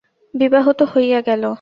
বিবাহ তো হইয়া গেল।